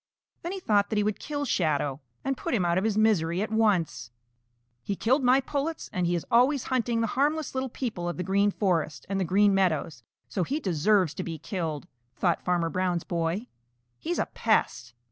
Then he thought that he would kill Shadow and put him out of his misery at once. "He killed my pullets, and he is always hunting the harmless little people of the Green Forest and the Green Meadows, so he deserves to be killed," thought Farmer Brown's boy. "He's a pest."